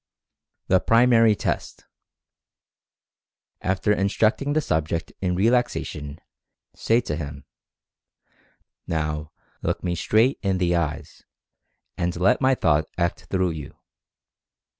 THE PRIMARY TEST. After instructing the subject in relaxation, say to him: "Now, look me straight in the eyes, and let my Thought act through you.